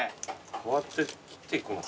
こうやって切ってくのかな？